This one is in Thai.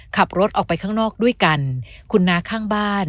ขับรถออกไปข้างนอกด้วยกันคุณน้าข้างบ้าน